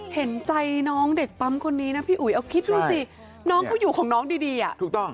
เห็นใจน้องเด็กปั๊มคนนี้นะพี่อุ๋ยเอาคิดดูสิน้องก็อยู่ของน้องดีอ่ะถูกต้อง